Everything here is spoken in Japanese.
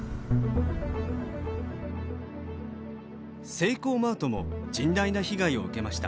セイコーマートも甚大な被害を受けました。